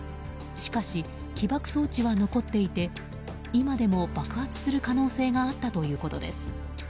しかし、起爆装置は残っていて今でも爆発する可能性があったということです。